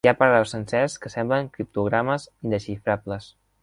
Hi ha paràgrafs sencers que semblen criptogrames indexifrables.